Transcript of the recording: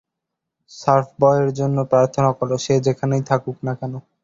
Surf boy এর জন্য প্রার্থনা করো, সে যেখানেই থাকুক না কেন।